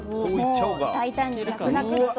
もう大胆にザクザクッと。